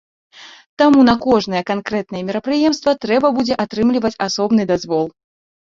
Таму на кожнае канкрэтнае мерапрыемства трэба будзе атрымліваць асобны дазвол.